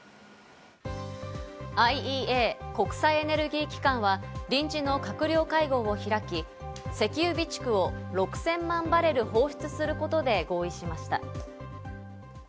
ＩＥＡ＝国際エネルギー機関は臨時の閣僚会合を開き、石油備蓄を６０００万バレル放出することで合意しました。